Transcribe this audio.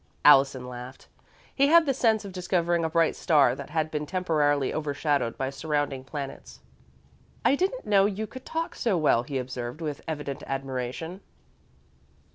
Allison laughed. He had the sense of discovering a bright star that had been temporarily overshadowed by surrounding planets. "I didn't know you could talk so well," he observed, with evident admiration.